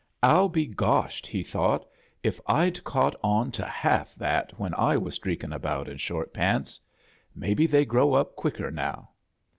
"Ill be goshed," he thought, "if Fd caught on to half that when I was streak in' around in short paatsi Maybe they grow up quicker now."